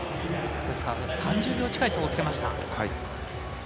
３０秒近い差をつけました。